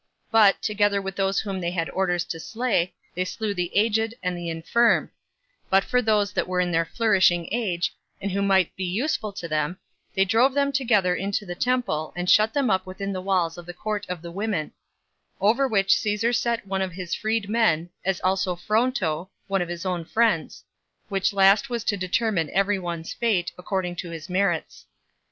But, together with those whom they had orders to slay, they slew the aged and the infirm; but for those that were in their flourishing age, and who might be useful to them, they drove them together into the temple, and shut them up within the walls of the court of the women; over which Caesar set one of his freed men, as also Fronto, one of his own friends; which last was to determine every one's fate, according to his merits.